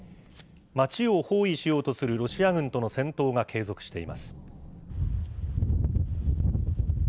街を包囲しようとするロシア軍との戦闘が継続しています。